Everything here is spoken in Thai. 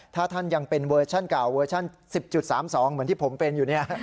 ถ้าท่านยังเป็นเวอร์ชั่นเก่าเวอร์ชั่น๑๐๓๒เหมือนที่ผมเป็นอยู่เนี่ย